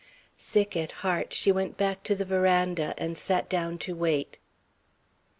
Sick at heart, she went back to the veranda and sat down to wait.